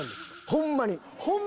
ホンマに。